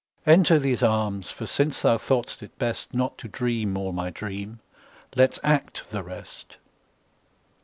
Enter these arms, for since thou thought'st it bestNot to dream all my dream, let's act the rest.